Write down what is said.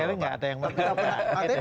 karena enggak ada yang meninggalkan